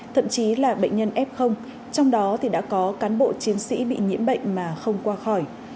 thậm chí là bệnh nhân f trong đó thì đã có cán bộ chiến sĩ bị nhiễm bệnh mà không qua khỏi